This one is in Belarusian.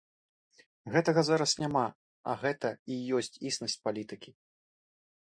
Гэтага зараз няма, а гэта і ёсць існасць палітыкі.